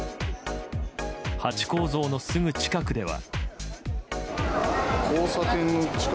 ハチ公像のすぐ近くでは。